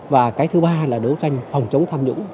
và cái thứ ba là đấu tranh phòng chống tham nhũng